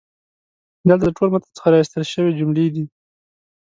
دلته د ټول متن څخه را ایستل شوي جملې دي: